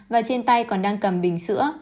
và trên tay còn đang cầm bình sữa